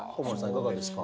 いかがですか？